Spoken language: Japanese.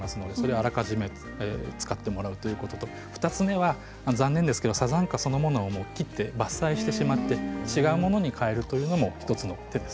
あらかじめ使っていただくということで２つ目、残念ですがサザンカそのものを切って伐採してしまって、違うものに替えるというのも手です。